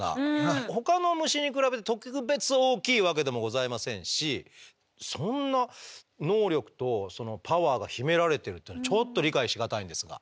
ほかの虫に比べて特別大きいわけでもございませんしそんな能力とそのパワーが秘められてるっていうのがちょっと理解し難いんですが。